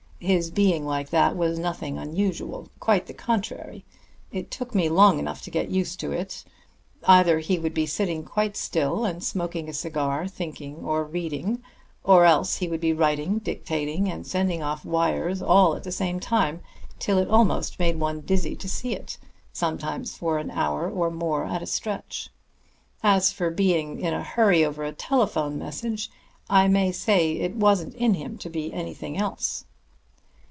His being like that was nothing unusual; quite the contrary. It took me long enough to get used to it. Either he would be sitting quite still and smoking a cigar, thinking or reading, or else he would be writing, dictating, and sending off wires all at the same time, till it almost made one dizzy to see it, sometimes for an hour or more at a stretch. As for being in a hurry over a telephone message, I may say it wasn't in him to be anything else."